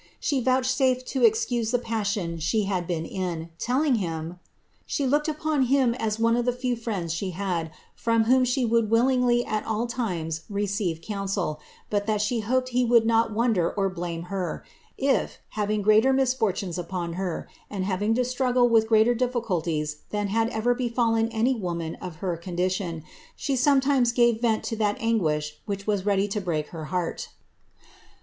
She I to excuse the passion she had been in, telling him ^ she 3n him as one of the few friends she had, from whom she lingly at all times receive counsel, but that she hoped he wonder or blame her if, having greater misfortunes upon her, I to struggle with greater difficulties than had ever beftdlen n of her condition, she sometimes gave vent to that anguish I ready to break her heart."